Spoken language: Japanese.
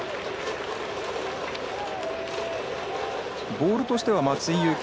ボールとしては松井裕樹